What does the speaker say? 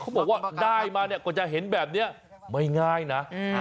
บอกว่าได้มาเนี่ยก็จะเห็นแบบนี้ไม่ง่ายนะ